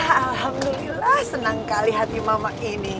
alhamdulillah senang kali hati mama ini